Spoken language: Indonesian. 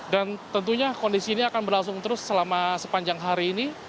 dan tentunya kondisi ini akan berlangsung terus selama sepanjang hari ini